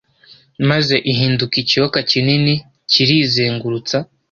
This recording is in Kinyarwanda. maze ihinduka ikiyoka kinini kirizengurutsa